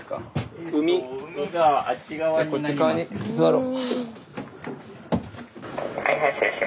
じゃあこっち側に座ろう。